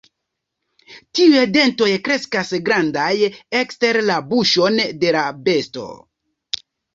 Tiuj dentoj kreskas grandaj, ekster la buŝon de la besto.